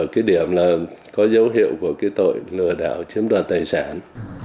cái điểm là có dấu hiệu của cái tội lừa đảo chiếm đoạt tài sản